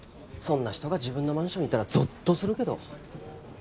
そんな人が自分のマンションにいたらゾッとするけど。